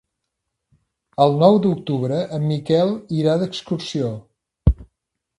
El nou d'octubre en Miquel irà d'excursió.